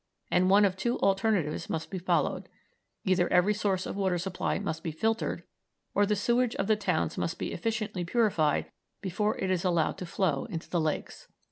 and one of two alternatives must be followed either every source of water supply must be filtered, or the sewage of the towns must be efficiently purified before it is allowed to flow into the lakes."